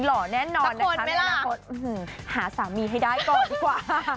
หล่อแน่นอนนะคะในอนาคตหาสามีให้ได้ก่อนดีกว่า